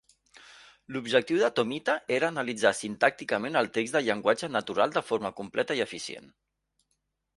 L'objectiu de Tomita era analitzar sintàcticament el text de llenguatge natural de forma completa i eficient.